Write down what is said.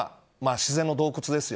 自然の動物ですよ。